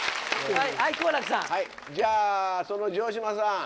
はいじゃあその城島さん。